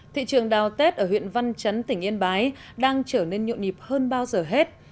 thị trường đào tết ở huyện văn chấn tỉnh yên bái đang trở nên nhộn nhịp hơn bao giờ hết